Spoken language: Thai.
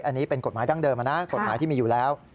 อันนี้เป็นกฎหมายดั้งเดิมนะกฎหมายที่มีอยู่แล้ว